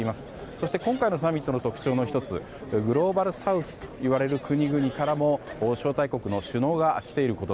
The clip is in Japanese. そして今回のサミットの特徴の１つグローバルサウスといわれる国々からも招待国の首脳が来ています。